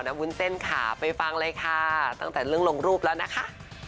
วุ้นเต้นค่ะไปฟังเลยค่ะตั้งแต่เรื่องลงรูปแล้วนะคะ